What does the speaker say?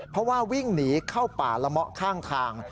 เพราะว่าวิ่งหนีเข้าป่าละเมาะข้างทาง